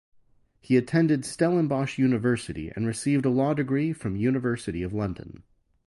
He attended Stellenbosch University and received a law degree from University of London.